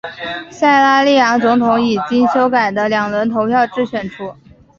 塞拉利昂总统以经修改的两轮投票制选出。